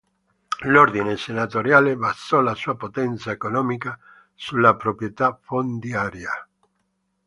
L'ordine senatoriale basò la sua potenza economica sulla proprietà fondiaria.